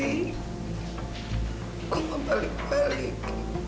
ibu aku mau balik balik